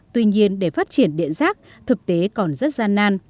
tuy nhiên để phát triển điện rác thực tế còn rất gian nan